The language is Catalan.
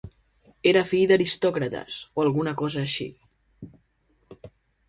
Era fill d'aristòcrates o alguna cosa així.